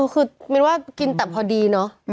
คือหมายถึงว่ากินแต่พอดีเนอะ